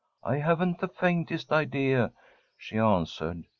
"I haven't the faintest idea," she answered.